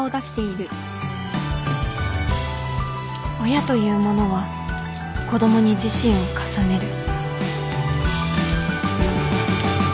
「親というものは子どもに自身を重ねる」